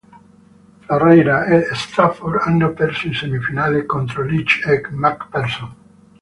Ferreira e Stafford hanno perso in semifinale contro Leach e Macpherson.